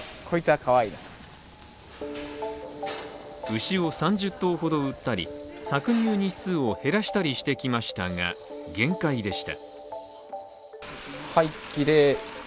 牛を３０頭ほど売ったり、搾乳日数を減らしたりしてきましたが、限界でした。